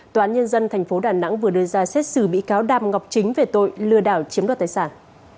tòa án nhân dân tp đà nẵng vừa đưa ra xét xử bị cáo đàm ngọc chính về tội lừa đảo chiếm đoạt tài sản